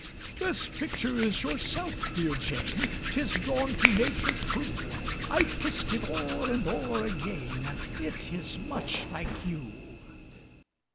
"This picture is yourself, dear Jane 'Tis drawn to nature true: I've kissed it o'er and o'er again, It is much like you."